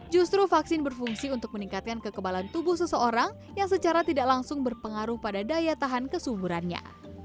justru vaksin berfungsi untuk meningkatkan kekebalan tubuh seseorang yang secara tidak langsung berpengaruh pada daya tahan kesuburannya